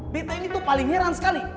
bete ini tuh paling heran sekali